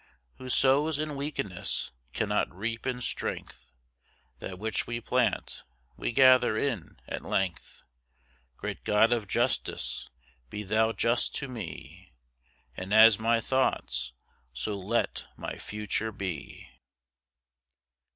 Who sows in weakness, cannot reap in strength, That which we plant, we gather in at length. Great God of Justice, be Thou just to me, And as my thoughts, so let my future be.